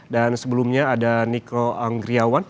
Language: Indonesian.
dan sebelumnya ada niko anggriawan